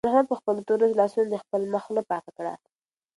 خیر محمد په خپلو تورو لاسونو د خپل مخ خوله پاکه کړه.